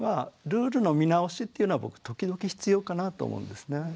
ルールの見直しっていうのは僕時々必要かなと思うんですね。